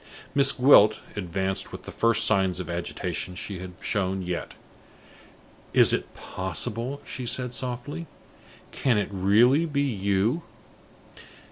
Miss Gwilt advanced with the first signs of agitation she had shown yet. "Is it possible?" she said, softly. "Can it really be you?"